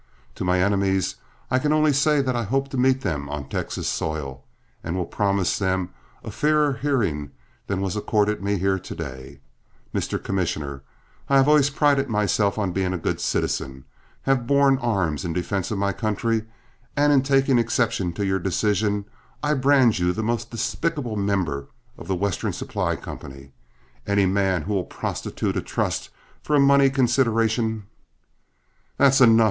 To my enemies, I can only say that I hope to meet them on Texas soil, and will promise them a fairer hearing than was accorded me here to day. Mr. Commissioner, I have always prided myself on being a good citizen, have borne arms in defense of my country, and in taking exception to your decision I brand you as the most despicable member of The Western Supply Company. Any man who will prostitute a trust for a money consideration " "That's enough!"